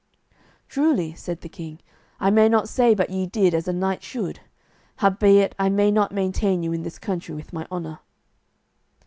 "Truly," said the king, "I may not say but ye did as a knight should; howbeit I may not maintain you in this country with my honour."